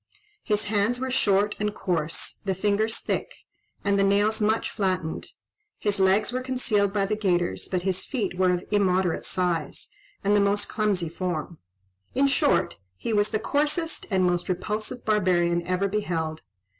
His hands were short and coarse, the fingers thick, and the nails much flattened: his legs were concealed by the gaiters, but his feet were of immoderate size, and the most clumsy form. In short, he was the coarsest and most repulsive barbarian ever beheld.